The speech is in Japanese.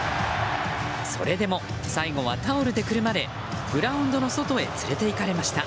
それでも最後はタオルでくるまれグラウンドの外へ連れていかれました。